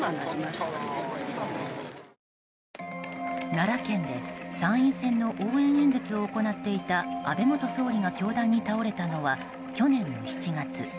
奈良県で参院選の応援演説を行っていた安倍元総理が凶弾に倒れたのは去年の７月。